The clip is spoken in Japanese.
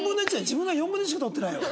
自分が４分の１しか取ってないよ。